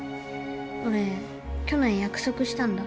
俺去年約束したんだ。